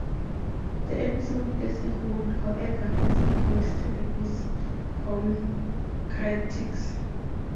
The episode as a whole, however, received mixed reviews from critics.